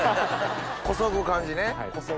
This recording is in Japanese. こそぐ感じね。